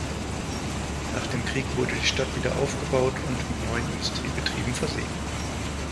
Nach dem Krieg wurde die Stadt wieder aufgebaut und mit neuen Industriebetrieben versehen.